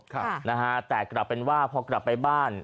ค่ะนะฮะแต่กลับเป็นว่าพอกลับไปบ้าน